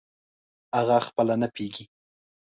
اغه خپله نه پییږي